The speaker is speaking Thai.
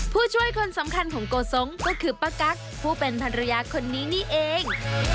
ผู้ช่วยคนสำคัญของโกสงค์ก็คือป้ากั๊กผู้เป็นภรรยาคนนี้นี่เอง